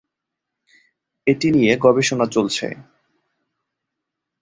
এটি নিয়ে গবেষণা চলছে।